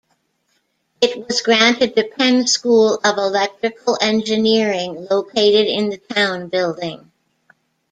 It was granted to Penn's School of Electrical Engineering, located in the Towne Building.